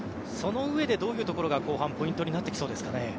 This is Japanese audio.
そのうえでどういうところが後半、ポイントになってきそうですかね。